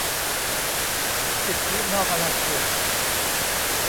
สิทธินอกอาณาเขต